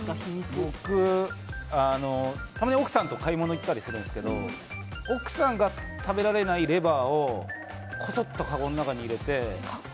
僕、たまに奥さんと買い物行ったりするんですけど奥さんが食べられないレバーをこそっとかごの中に入れて。